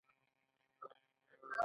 دوی د هر فرد برخلیک ټاکي.